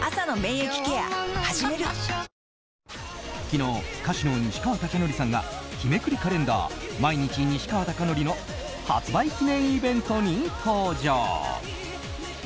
昨日、歌手の西川貴教さんが日めくりカレンダー「まいにち、西川貴教」の発売記念イベントに登場。